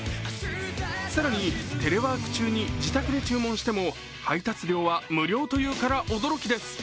更に、テレワーク中に自宅で注文しても配達料は無料というから驚きです。